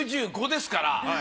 ６５ですから。